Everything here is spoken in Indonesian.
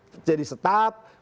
kemudian jadi panda pengguna